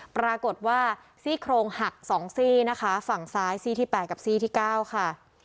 ปรากฏว่าซี่โครงหัก๒ซี่นะคะฝั่งซ้ายซี่ที่๘กับซี่ที่๙ค่ะ